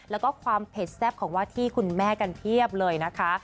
แล้วก็ความเผ็ดแซ่บของว่าที่คุณแม่กันเพียบเลยนะคะ